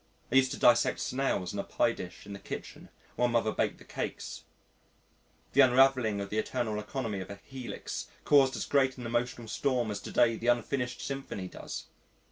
I used to dissect snails in a pie dish in the kitchen while Mother baked the cakes the unravelling of the internal economy of a Helix caused as great an emotional storm as to day the Unfinished Symphony does!